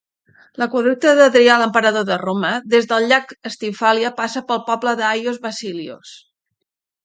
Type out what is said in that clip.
L'aqüeducte d'Adrià, emperador de Roma, des del llac Stymfalia, passa pel poble de Ayios Vasilios.